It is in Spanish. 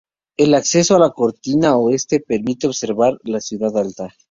El acceso a la cortina oeste permite observar la ciudad alta.